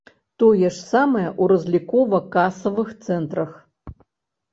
Тое ж самае ў разлікова-касавых цэнтрах.